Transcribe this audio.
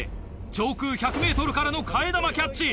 上空１００ｍからの替え玉キャッチ。